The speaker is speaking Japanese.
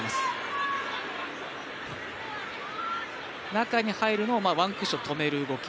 中に入るのをワンクッション止める動き。